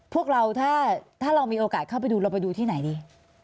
พวกเราถ้าเรามีโอกาสเข้าไปดูเราไปดูที่ไหนดี